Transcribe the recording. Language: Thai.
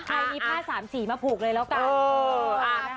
ใครมีผ้าสามสีมาผูกเลยแล้วกัน